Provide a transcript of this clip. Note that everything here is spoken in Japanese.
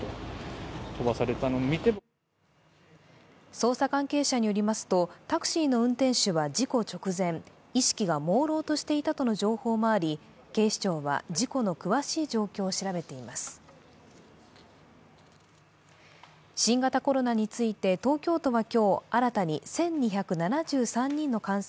捜査関係者によりますと、タクシーの運転手は事故直前、意識がもうろうとしていたとの情報もあり警視庁は事故の詳しい状況を調べています。